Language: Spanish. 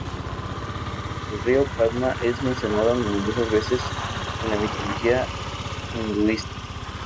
El río Padma es mencionado numerosas veces en la mitología hinduista.